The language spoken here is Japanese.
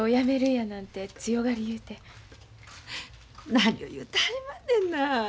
何を言うてはりまんねんな。